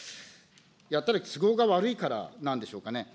やったら都合が悪いからなんでしょうかね。